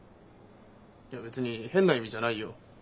いや別に変な意味じゃないよ。